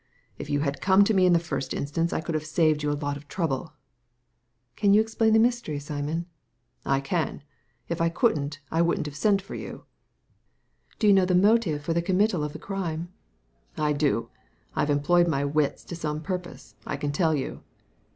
" If you had come to me in the first instance I could have saved you a lot of trouble." '* Can you explain the mystery, Simon ?" "I can. If I couldn't, I wouldn't have sent for you." £ Digitized by Google 50 THE LADY FROM NOWHERE "Do you know the motive for the committal of the crime ?"" I da IVe employed my wits to some purpose^ I can tell you."